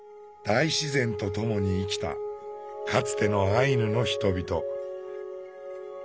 大自然とともに生きたかつてのアイヌの人々。